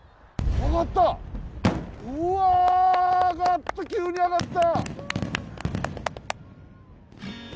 上がった急に上がった！